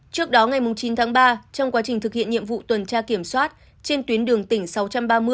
trước đó ngày chín tháng ba trong quá trình thực hiện nhiệm vụ tuần tra kiểm soát trên tuyến đường tỉnh sáu trăm ba mươi